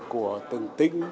của từng tỉnh